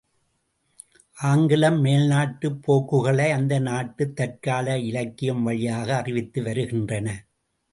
ஆங்கிலம் மேல் நாட்டுப் போக்குகளை அந்த நாட்டுத் தற்கால இலக்கியம் வழியாக அறிவித்து வருகின்றன.